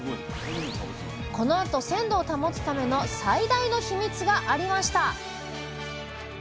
このあと鮮度を保つための最大のヒミツがありました！